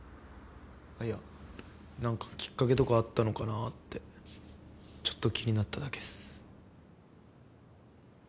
いや何かきっかけとかあったのかなぁってちょっと気になっただけっす。